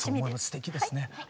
すてきですね。